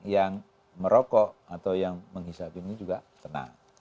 yang merokok atau yang menghisap ini juga kena